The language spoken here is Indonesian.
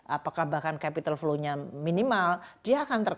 apakah bahkan capital flow nya minimal dia akan terkena